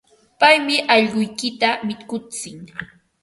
Paymi allquykita mikutsin.